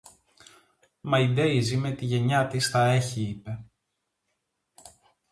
Μα η Ντέιζη με τη γενιά της τα έχει, είπε.